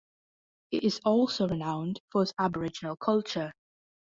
It is also renowned for its Aboriginal culture.